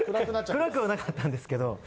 ・暗くはなかったんですけど。